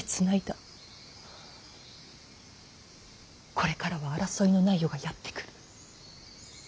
これからは争いのない世がやって来る。